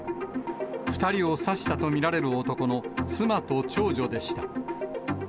２人を刺したと見られる男の妻と長女でした。